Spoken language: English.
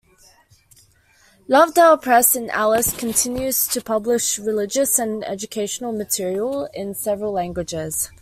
Lovedale Press, in Alice, continues to publish religious and educational material in several languages.